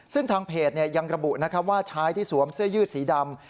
ซึ่งทางเพจยังระบุนะครับว่าชายที่สวมเสื้อยืดสีดำ